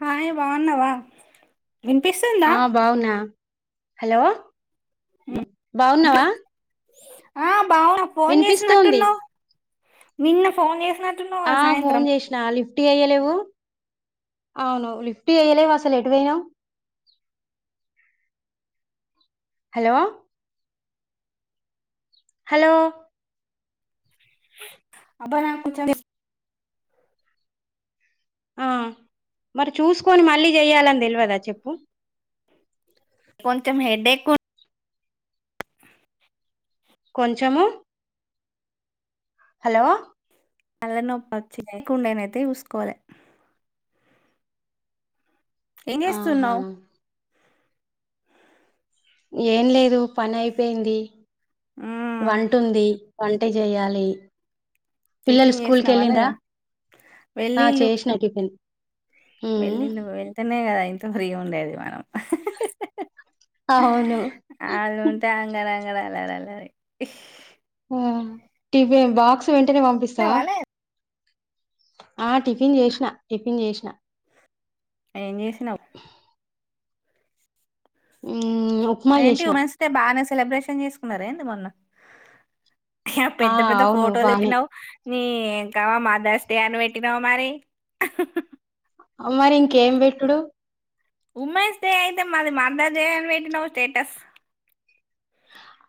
హాయ బాగున్నావా వినిపిస్తుందా ఆ బావునా హలో బాగున్నావా ఆ బావున ఫోన్ చేసినట్టున్నావు్ నిన్న ఫోన్ చేస ఆ ఫోన్ చేసిన ఆలిఫ్ ఫ్టీ అయ్యలేవు అవును లిఫ్టీ అయ్యలేవు అసలు ఎటువయినా హలో హలో అబ నాకు చ ఆ మరి చూసుకొని మళ్ళీ చెయ్యాలని తెలవదా చెప్పు కొంచెం హెడ్ఏక్ ఉంది కొంచెము హలో తల నొప్పి వచ్చికుండనైతే చూసుకోవాలి ఏం ఆహా చేస్తున్నావ్ ఏం లేదు పని అయిపోయింది మ్మ్. వంటుంది వంట చేయాలి పిల్లలు టిఫిన్ స్కూల్ కి చేసినావా వెళ్ళిందా లేదా ఆ చేసిన టిఫిన్ ఉమ్ వెళ్లిళ్ళు వెళ్తేనే కదా ఇంత ఫ్రీగా ఉండేది మనం అవును ఆళ్లు ఉంటే అంగడ అంగడ అల్లరే అల్లారె ఉమ్ టిఫ బాక్స్ వెంటనే పంపిస్తావా తిన్నావా లేదా? ఆ టిఫిన్ చేసిన టిఫిన్ చేసిన ఏం చేసినావు హ్మ్ ఉప్మా ఏంటి చేసిన ఉమెన్స్ డే బాగానే సెలబ్రేషన్ చేసుకున్నార ఏంది మొన్న ఆ పెద్ద పెద్ద అవును ఫోటోలు బానే పెట్టినావు నీ యంకమ్మ మదర్స్ డే అని పెట్టినావ్ మరి అ మరి ఇంకేం పెట్టుడు ఉమెన్స్ డే అయితే మాది మదర్స్ డే అని పెట్టినావ్ స్టేటస్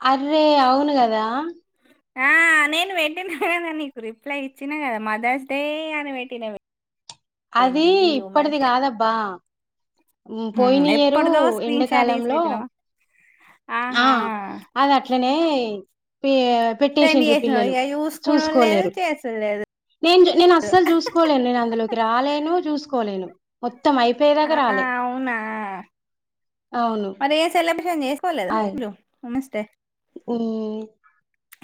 అర్రే అవును కదా ఆ నేను పెట్టినా కదా నీకు రిప్లై ఇచ్చినా కదా మదర్స్ డే అని పెట్టినవి అది ఇప్పటిది కాదబ్బా ఉమ్ హ్మ్, పోయినియ్యరు ఎప్పటిదో స్క్రీన్ షాట్ తీసి ఎండాకాలంలో పెట్టినావా ఆ ఆహా అది అట్లనే పే సెండ్ పెట్టేసిండ్రు చేసినావు పిల్లలు ఇక చూసుకుని లేదు చూసుకోలేరు చేసుడు లేదు నేను నేను అస్సలు చూసుకోలేను నేను అందులోకి రాలేను చూసుకోలేను మొత్తం అయిపోయేదాకా ఆ రాలే అవునా అవును మరి ఏ సెలబ్రేషన్ చేసుకో లేదా అదే మీరు నమస్తే ఉమ్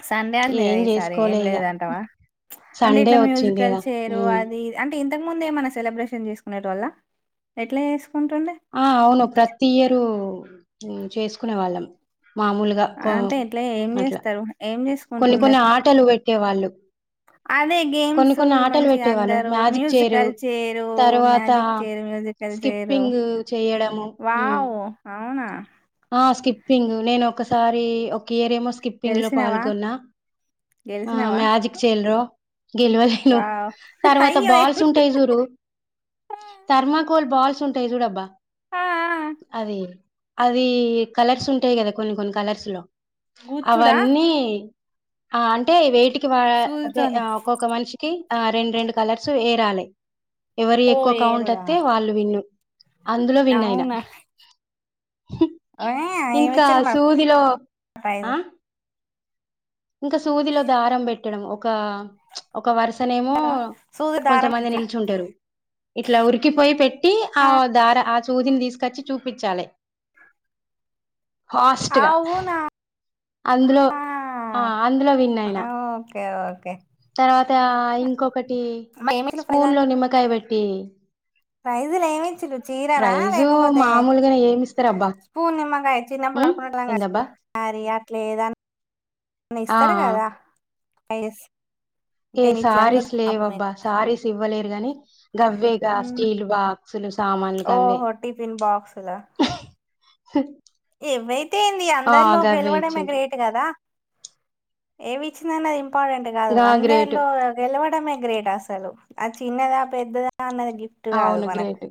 సండే అయింది కదా ఏం ఈసారి ఏం చేసుకోలే ఇక లేదంటావా ప్చ్ అంటే సండే ఇట్లా వచ్చింది మ్యూజికల్ కదా చేయరు ఉమ్. అది అం టే ఇంతకు ముంద ఏమన్నా సెలబ్రేషన్ చేసుకునే టోళ్ళా ఎట్లా చేసుకుంటుండే ఆ అవును ప్రతి ఇయరు చేసుకునే వాళ్ళం మామూలుగా కో అంటే ఎట్లా ఏం అట్లా చేస్తారు ఏం కొన్ని చేసుకుంటుండే కొన్ని ఆటలు పెట్టే వాళ్ళు అదే కొన్ని గేమ్స్ కొన్ని ఆటలు మంచిగా పెట్టేవాళ్ళు అందరూ మ్యాజిక్ చైర్ మ్యూజికల్ చైరు తరువాత magic chair musical chair skipping చేయడము ఉమ్ వావ్ అవునా ఆ స్కిప్పింగ్ నేను ఒకసారి ఒక ఇయర్ ఏమో స్కిప్పింగ్ లో గెలిసినవా పాల్గొన్న ఆ గెలిసినవా మ్యాజిక్ చైర్లో గెలవలేను వావ్ తర్వాత అయ్యో బాల్స్ ఉంటాయి చూడు థర్మాకోల్ బాల్స్ ఉంటాయి చూడబ్బా ఆ అదే అది కలర్స్ ఉంటాయి కదా కొన్ని కొన్ని కలర్స్ లో కూర్చుడా అవన్నీ ఆ అంటే వేటికి వా అదే సూదితోని ఒక్కొక్క మనిషికి ఆ రెండు రెండు కలర్స్ ఏరాలి ఎవరు ఓ ఎక్కువ కౌంట్ ఏరుడా వత్తే వాళ్ళు విన్న అందులో విన్ అయినా అవునా ఇంకా ఏమిచ్చారు మరి సూదిలో ప్రైజ్ ఆ ఇంకా సూదిలో దారం పెట్టడం ఒక ఒక వరుసన ఏమో కదా సూది దారం కొంతమంది కిచు నిల్చుంటారు ఇట్లా ఉరికిపోయి పెట్టి ఆ దార ఆ సూదిని తీసుకు కచ్చి చూపించాలే ఫాస్ట్గా అవునా అందులో ఆ అందులో విన్ అయినా ఓకే ఓకే తర్వాత ఇంకొకటి మరి ఏమిచ్చులు ప్రైజ్ స్పూన్ లో అంటే నిమ్మకాయ పెట్టి ప్రైజులు ఏమి ఇచ్చిరు చీరనా ప్రైజు లేకపోతే మామూలుగానే ఏమిస్తరబ్బా! స్పూన్ నిమ్మకాయ చిన్నప్పుడు ఉమ్ ఆడుకునేటోలము కదా ఏందబ్బా స్కూల్ ఆరీ అట్లేదని ని ఆ ఇస్తారు కదా పైస్ ఏ సారీస్ లేవు అబ్బా సారీస్ ఇవ్వలేరు గాని గవ్వేగా ఉమ్, స్టీల్ బాక్ లు సామాన్లు ఓహో టిఫిన్ ఏవి అయితే ఏంది ఆ అందరిలో గవ్వే గెలవడమే ఇచ్చిండ్రు గ్రేట్ కదా ఏమి ఇచ్చిందని అది ఇంపార్టెంట్ కాదు గా గ్రేట్ అందరిలో గెలవడ డమే గ్రేట్ అసలు ఆ చిన్నదా పెద్దదా అన్నది గిఫ్ట్ కాదు అవును మనకు గ్రేట్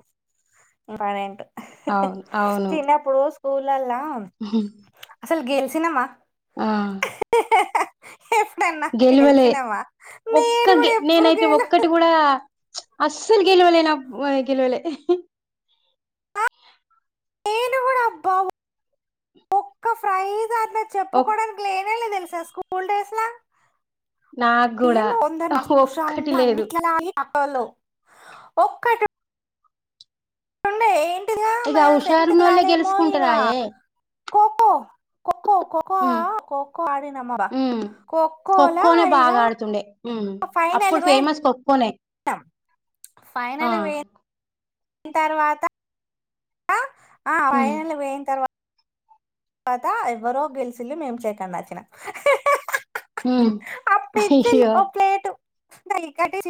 ఇంపార్టెంట్ అవును అవును స్కూల్ లల్లా అసలు గెలిసినమా ఆ ఎప్పుడన్నా గెలువలే గెలిచినమా నేను ఒక్క కూడా ఎప్పుడు నేనైతే గెల ఒక్కటి కూడా అస్సలు గెలవలే నా ఆ గెలువలే నేను కూడా అబ్బా ఒక్క ప్రైస్ అన్న ఒక్ చెప్పుకోవడానికి లేదు తేలే తెలుసాస్కూల్ డేస్ ల నాకు కూడా ఏమో కొందరు మస్తు హుషారు ఒక్కటి ఉండే లేదు అన్నిట్లల్లో ఆటల్లో ఒక్కటి ఉండే ఏం ఇగ ఉషారునోళ్లే గెలుచుకుంటారాయే ఖో ఖో ఖో ఖో ఖోఖో ఖోఖో ఆడిన అబ్బా ఉమ్ ఖోఖోలా ఖోఖోనే ఇగ బాగా ఆడుతుండే అప్పుడు ఫేమస్ ఖో ఖోనే టం ఫైనల్ పోయిన తర్వాత ఆ హ్మ్ ఫైనల్ పోయిన తర్వాత తర్వాత ఎవ్వరో గెలిచిలు మేం సెకండ్ వచ్చినం హు అప్పుడు ఇచ్చిలు ఒక ప్లేట్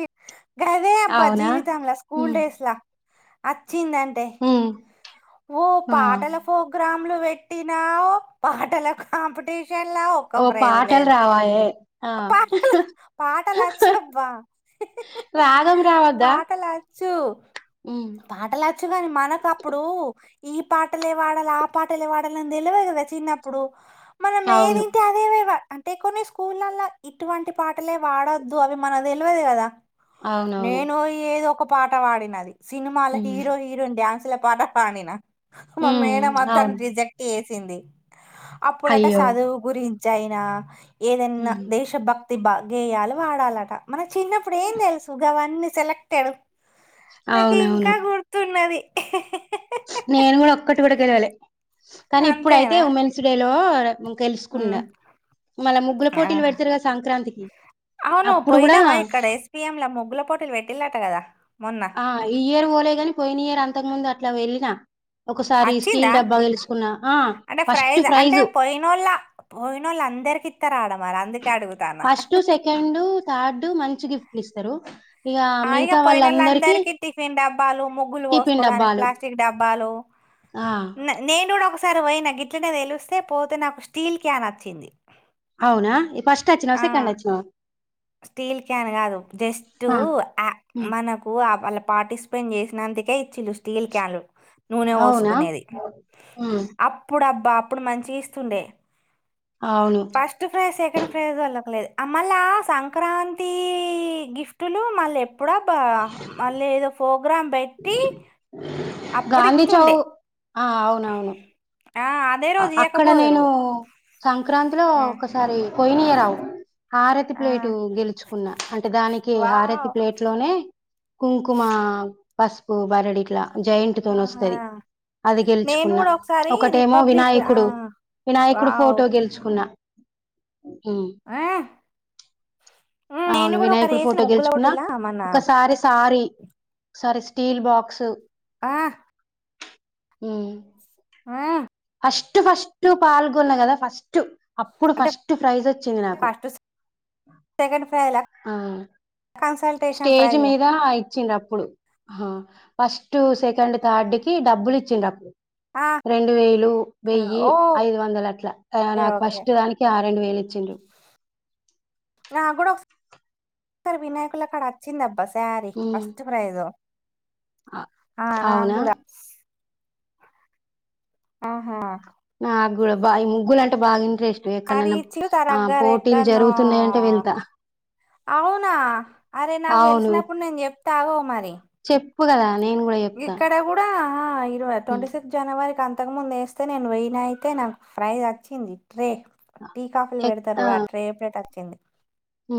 [inaudible] గదే అబ్బా అవునా జీవితంలా స్కూల్ హ్మ్ డేస్ లా వచ్చిందంటే హ్మ్ ఓ ఆ పాటల ప్రోగ్రాంలు పెట్టినా పాటల కాంపిటీ విషలా ఒక్క ఓ ప్రైజ్ పాటలు లేదు రావాయే ఆ పాట పాటలు వచ్చు అబ్బా రాగం రావద్దా చు హ్మ్ పాటలచ్చు కాని మనకు అప్పుడు ఈ పాటలే పాడాలి ఆ పాటలే పాడాలని తెలువదు కదా చిన్నప్పుడు మనం అవును ఏదింటే అదే వే- అంటే కొన్ని స్కూలల్లో ఇటువంటి పాటలే పాడొద్దు అవి మనకు తెలవదు కదా అవునవును నేను ఏదో ఒక పాట పాడినది సినిమాల హ్మ్ హీరో హీరోయిన్ డ్యాన్సుల పాట పాడిన మా హ్మ్ మేడం వద్దని అవును రిజెక్ట్ చేసింది అప్పుడట అయ్యో చదువు గురించి అయినా ఏదన్నా హ్మ్ దేశభక్తి బా గేయలు పాడాలట మన చిన్నప్పుడు ఏం తెలుసు గావన్నీ సెలెక్టెడ్ నాకు ఇంకా అవునవును గుర్తున్నది నేను కూడా ఒక్కటి కూడా గెలవాలే కానీ ఇప్పుడయితే అంతేనా ఉమెన్స్ డేలో గెలుసుకున్న ఉమ్ మళ్ళ ముగ్గుల ఆ పోటీలు పెడతారు కదా సంక్రాంతికి అప్పుడు కూడా ముగ్గులా పోటీలు పెట్టిలు ఆట కదా మొన్న ఆ ఈ ఇయర్ పోలే కాని పోయిన ఇయర్ అంతకు ముందు అట్లా వెళ్ళిన ఒకసారి వచ్చిందా స్టీల్ డబ్బా గెలుసుకున్న ఆ అంటే ఫస్ట్ ప్రైజ్ ప్రైజు వాళ్లు అందరికీ ఇతరాడ ఫస్ట్ సెకండు థర్డ్ మంచి గిఫ్ట్లు ఇస్తారు ఇక ఆ ఇగా మిగతా పోయినోళ్ళ వాళ్ళందరికి అందరికి టిఫిన్ డబ్బాలు ముగ్గులు టిఫిన్ పోసుకోవడానికి డబ్బాలు ప్లాస్టిక్ డబ్బాలు ఆ నేను కూడా ఒకసారి పోయిన గిట్లనే తెలిస్తే పోతే నాకు స్టీల్ క్యాన్ అచ్చింది అవునా ఫస్ట్ వచ్చినవా సెకండ్ వచ్చినవా స్టీల్ క్యాన్ కాదు జస్ట్ ఆ ఆ హ్మ్. మనకు ఆ వాళ్ళ పార్టిస్పెండ్ చేసినందుకే ఇచ్చిళ్ళు స్టీల్ క్యాన్లు నూనె అవునా వోసుకునేది హ్మ్. అప్పుడు అబ్ బ అప్పుడు మంచి గిస్తుండే అవును ఫస్ట్ ఫ్రైజ్ సెకండ్ ప్రైస్ వోళ్ళకు లేదు ఆ మళ్ళ సంక్రాంతి గిఫ్ట్ లు మళ్ళ ఏ ఎప్పుడబ్బ మళ్ళీ ఏదో ప్రోగ్రామ్ పెట్ టీ గాంధీ చౌ అప్పుడితుండే ఆ అవునవును రోజు అక్కడ ఇయ్యకపోదురు నేను సంక్రాంతిలో ఆ ఒకసారి పోయినియరావు హారతి ఆ ప్లేటు గెలుచుకున్న అంటే దానికి హారతి వావ్ ప్లేట్ లోనే కుంకుమ పసుపు బరడి ఇట్ల జైంట్ తోని ఆహా వస్తది అది నేను గెలుచుకున్న కూడా ఒకసారి ఒకటేమో రిపబ్లిక్ ఆ నాయకుడు వినాయకుడు వావ్ ఫోటో గెలుచుకున్నా ఉమ్ ఆ ఉమ్, నేను అవును కూడా ఒకరు వినాయకుడు వేసిన ఫోటో ముగ్గుల గెలుచుకున్నా పోటీలా మన ఒకసారి సారీ సారి స్టీల్ బాక్స్ ఆ ఉ ఆ ఫస్ట్ ఫస్ట్ పాల్గొన్న కదా ఫస్ట్ అప్పుడు అంటే ఫస్ట్ ప్రైజ్ వచ్చింది నాకు ఫస్ట్ సెకండ్ ప్రైజ్ ల ఆ కన్సల్ స్టేజ్ మీద ఇచ్ ఇచ్చిన్రు అప్పుడు హా ఫస్ట్ సెకండ్ థర్డ్ కి డబ్బులు ఇచ్చినప్పుడు ఆ ఇచ్చిన్రపుడు రెండు వేలు ఆ, వెయ్యి ఐదు ఓకే వందలు అట్లా నాకు ఓకే ఫస్ట్ దానికి రెండు వేలు ఇచ్చిండ్రు నా కూడా ఒకసా వినాయకుల కాడ అచ్చింది అబ్బా శారీ ఉమ్ ఫస్ట్ ప్రైజ్ ఆ నాకు అవునా కూడా ఆహా నా గుడా ఆబ్బ ఈ ముగ్గులు అంటె బాగా ఇన్ ట్రెస్ట్ శారీ ఎక్కనన్న ఇచ్చిరు ఆ తరగ్గర పోటీలు ఎక్కడనో జరుగుతున్నాయంటే వెళ్తా అవునా అరే నాకు అవును తెలిసినప్పుడు నేను చెప్త అగొ మరి చెప్పు కదా నేను కూడా చెప్తా గిక్కడ కూడా ఆ ఇరవై ఉమ్ ట్వంటీ సిక్స్ జనవరికి అంతకు ముందు వేస్తే నేను వెయిన అయితే నాకు ఫ్రైజ్ అచ్చింది ట్రే టీ కాఫీలు పెడతారు ఆ ట్రే ప్లేట్ అచ్చింది హు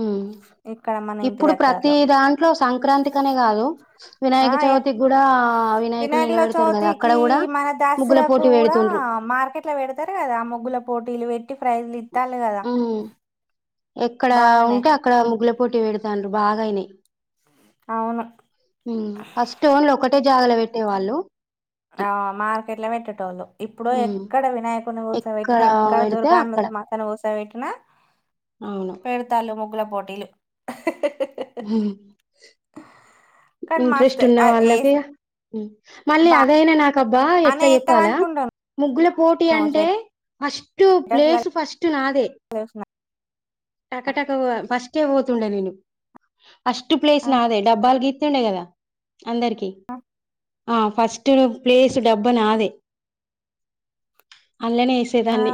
ఇప్పుడు ప్రతి దగ్గరలో దాంట్లో సంక్రాంతి కనే కాదు ఆ వినాయక ఎప్ చవితికి కూడా వినాయకులు వినాయకుల నిలబెడతారు కదా అక్కడ చవితికి కూడా మన ముగ్గుల దసరకు పోటీ కూడా పెడుతుండ్రు మార్కెట్ ల పెడతారు కదా ఆ ముగ్గుల పోటీలు వెట్టి ఫ్రైజులు ఇత్తాలు కదా ఉమ్ ఎక్కడ బాగానే ఉంటే అక్కడ ముగ్గుల పోటీ పెడుతాళ్ళు బాగాయినాయి అవును ఫస్ట్ ఓన్లీ ఒకటే జాగల పెట్టేవాళ్ళు ఆ మార్కెట్ ల పెట్టేటోళ్ళు ఇప్పుడు ఉమ్ ఎక్కడ వినాయకుని కూసో వేట్టిన ఎక్కడ పెడితే దుర్గాన్ను అక్కడ మాతను కూసో పెట్టిన అవును పెడతళ్ళు ముగ్గుల పోటీలు ఉ కానీ మస్తు ఇంట్రెస్ట్ ఉన్న ఆ ఏస్ వాళ్ళకిగ మళ్ళీ అదైనా నాకబ్బా బానే ఎట్లా ఏత్తావ్ చెప్పాలా అనుకుంటాను ముగ్గుల పోటీ నువ్వు అంటే ఫస్టు స్టేటస్ లలో ప్లేసు ఫస్ట్ నాదే చూసిన టకా టకా ఫస్ కే పోతుండే నేను ఫస్ట్ ప్లేస్ ఆ నాదే డబ్బాల్ గి ప్లీస్ డబ్బా నాదే అన్ లోనే ఆ ఏసేదాన్ని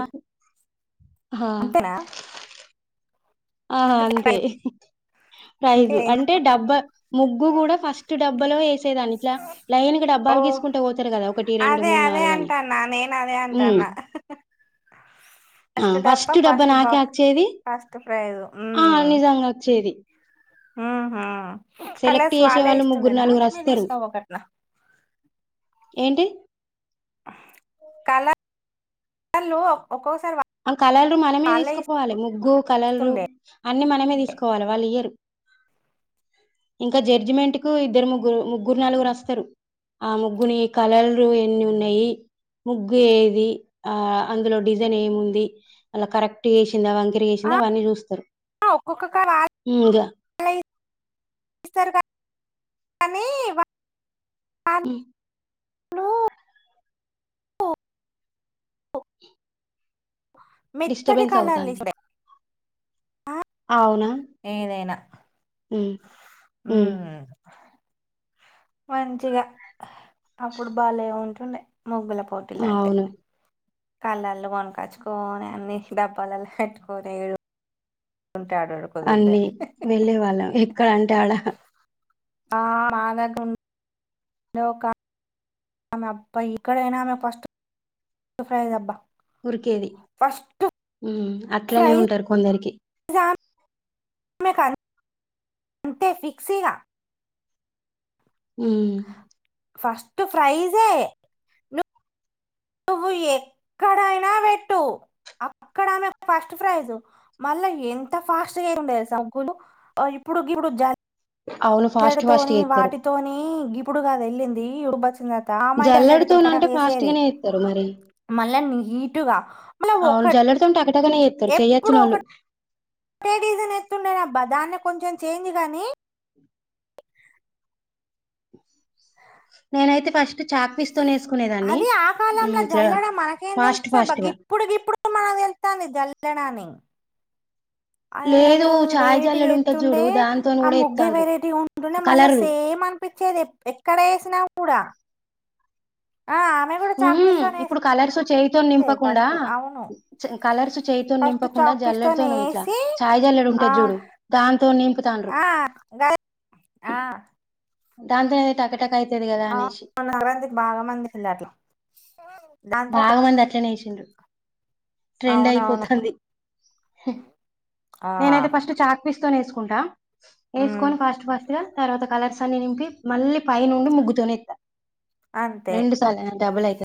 హా అంతేనా ఆహ అంతే ప్రైజు ఇంకేం అంటే డబ్బా ముగ్గు కూడా ఫస్ట్ డబ్బాలో ఏ సే దాన్ని ఇట్లా లైన్ గా ఓ డబ్బాలు గీసుకుంట పోతారు కదా ఒకటి రెండు అదే మూడు అదే నాలుగని అంటాన్నా నేను అదే ఉ అంటాన్నా ఆ ఫస్ట్ డబ్బ నాకే అచ్చేది ఫస్ట్ ప్రైజ్ ఆ నిజంగా వచ్చేది ఆహ సెలెక్ట్ కల్లర్స్ చేసే వాళ్ళే వాళ్ళు ముగ్గురు ఇస్తుండేనా నలుగురు మీర్ దీస్ వస్తారు అంతా ఒకట్నా ఏంటి కాల కల్లర్లు ఒకొ స ఆ కల్లర్లు మనమే దీసుకుపోవాలి ముగ్గు కల్లర్లు ఇస్తుండే అన్ని మనమే దీసుకోవాలి వాళ్ళు ఇయ్యరు ఇంకా జడ్జిమెంట్ కు ఇద్దరు ముగ్గురు ముగ్గురు నాలుగురు వస్తరు ఆ ముగ్గుని కలర్లు ఎన్ని ఉన్నాయి ముగ్గు ఏది ఆ అందులో డిజైన్ ఏముం ది వల్ల కరెక్ట్ గేసిందా వంకరి ఆ వేసిందా అవన్నీ చూస్తరు ఒక్కొక్క [unintelligible] ఏస్తరు గాని ఉమ్ ఒ డిస్టబెన్స్ అవుతాంది ఇస్తుండే ఆ, అవునా ఉ ఊ మంచిగా అప్పుడు బలే ఉంటుండ మొగ్గల పోటీలాంటే అవును కళ్ళర్లు కొనకొచ్చుకోని అన్ని డబ్బాలలో పెట్టుకోని ఎయ్యడం అన్నీ నెళ్ళే వాళ్ళం ఎక్కడ అంటే ఆడ ఆ [unintelligible] ఆమె అబ్బా ఎక్కడైనా ఆమె ఫస్ట్ ఫ్రైజ్ అబ్బా ఉరికేది ఫస్ట్ ఉ అట్లానే ఉంటారు కొందరికి శామ్ కానీ అంతే ఫిక్స్ ఇగా ఉ ఫస్ట్ ఫ్రైజే నువ్వు ఎక్కడైనా వెట్టు అక్కడ ఆమె ఫస్ట్ ప్రైజు మళ్ళా ఎంత ఫాస్ట్ గా [unintelligible] ముగ్గులు ఇప్పుడు గిప్పుడు జాయ్ అవును ఫాస్ట్ ఫాస్ట్ జల్లెడతోని చేస్తారు వాటితోని ఇప్పుడు గాదు వెళ్ళింది జల్లెడితోన అంటే ఫాస్ట్ గానే [unintelligible] చేస్తారు మరి మళ్ళా నీటుగా మళ్ళా ఒకటి అట్టగానే ఎత్తరు చెయొచ్చినోళ్ళు ఒకటే డీజన్ ఎత్తుండేనబ్బా దాన్నే కొంచెం చేంజ్ గాని నేనైతే ఫస్ట్ చాక్ పీస్ తోనే ఏసుకునేదా అది ఆ కాలంలో జల్లడ మనకేం ఫాస్ట్ తెలుస్తుదబ్బ ఫాస్ట్ గా ఇప్పుడు గిప్పుడు మనకు తెలుత్తాంది జల్లడ అని ని అది లేదు అదేదో చాయ్ వెరైటీగ జల్లెడ ఉంటది ఎత్తండే చూడు దాంతోని ఆ కూడా ముగ్గే ఎత్తాండ్రు వెరైటీ ఉంటుండే మళ్ళా కలరు సేమ్ అనిపిచ్చేది ఎప్ ఎక్కడేసిన గూడా ఆ ఆమే గూడ చక్ పీస్ మ్హ్ తోనే ఇప్పుడు కలర్స్ చేయితోని ఏసిండేది నింపకుండా ఫస్టు అవును కలర్స్ చేయితోని ఫస్టు నింపకుండా చాక్ పీస్ తోనే జల్లెడతోను ఇట్లా ఏసి చాయ్ జల్లెడ ఆ ఉంటది చూడు దాంతోని నింపుతాండ్రు ఆ ఆ దాంతో ఏంది తాకట్ ఆన్నార [unintelligible] అందికి బాగా మంది యెళ్ళారట్లా బాగమంది అట్లేనేే యేసిర్రు ట్రెండ్ అవునవును అయిపోతుంది ఆ, నేనైతే ఫస్ట్ చాపిస్ యేసుకుంటా ఉమ్, యేసుకొని ఫాస్ట్ ఫాస్ట్ గా తర్వాత కలర్స్ అన్ని నింపి మళ్ళీ పైనుండి ముగ్గుతో నేస్తా అంతే రెండు సాల డబల్ ఏయ్